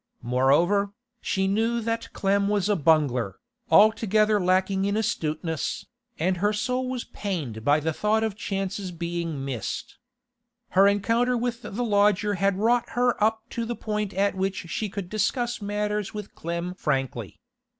Moreover, she knew that Clem was a bungler, altogether lacking in astuteness, and her soul was pained by the thought of chances being missed. Her encounter with the lodger had wrought her up to the point at which she could discuss matters with Clem frankly.